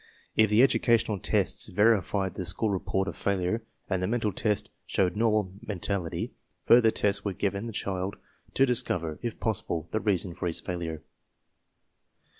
If the educational tests verified the school report of failure and the mental test showed normal mentality, further tests were given the child to discover, if possible, the reason for his failure.